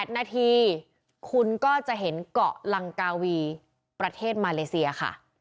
๘นาทีคุณก็จะเห็นเกาะลังกาวีประเทศมาเลเซียค่ะ